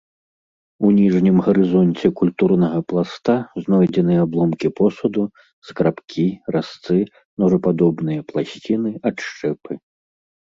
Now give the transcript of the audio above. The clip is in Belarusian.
У ніжнім гарызонце культурнага пласта знойдзены абломкі посуду, скрабкі, разцы, ножападобныя пласціны, адшчэпы.